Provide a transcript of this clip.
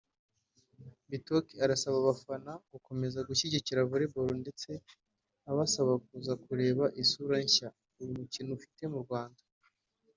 Bitok arasaba abafana gukomeza gushyigikira volleyball ndetse abasaba kuza kureba isura nshya uyu mukino ufite mu Rwanda